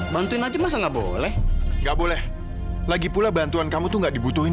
bantuin aja masa nggak boleh nggak boleh lagi pula bantuan kamu tuh gak dibutuhin